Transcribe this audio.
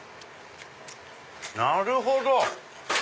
なるほど。